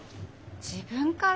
自分から？